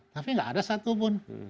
tapi tidak ada satu pun